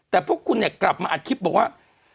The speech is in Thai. แต่พวกคุณเนี่ยกลับมาอัดคลิปบอกว่า